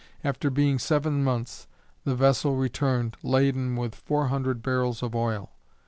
After being seven months, the vessel returned, laden with four hundred barrels of oil.